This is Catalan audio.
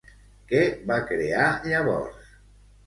Què va crear llavors?